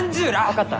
分かった。